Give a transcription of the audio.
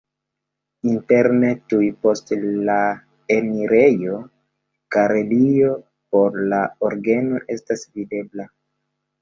Interne tuj post le enirejo galerio por la orgeno estas videbla.